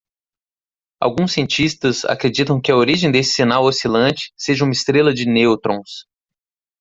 Alguns cientistas acreditam que a origem desse sinal oscilante seja uma estrela de nêutrons.